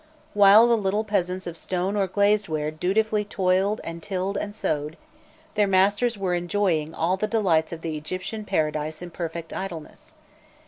While the little peasants of stone or glazed ware dutifully toiled and tilled and sowed, their masters were enjoying all the delights of the Egyptian paradise in perfect idleness.